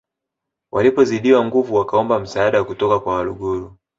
Walipozidiwa nguvu wakaomba msaada kutoka kwa Waluguru